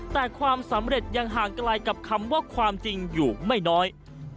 แต่ความสำเร็จยังห่างไกลกับคำว่าความจริงอยู่ไม่น้อย